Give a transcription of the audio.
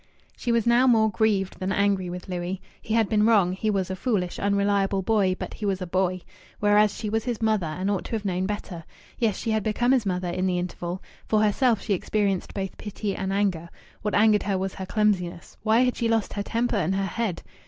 She was now more grieved than angry with Louis. He had been wrong; he was a foolish, unreliable boy but he was a boy. Whereas she was his mother, and ought to have known better. Yes, she had become his mother in the interval. For herself she experienced both pity and anger. What angered her was her clumsiness. Why had she lost her temper and her head?